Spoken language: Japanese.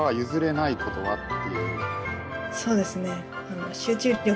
そうですね。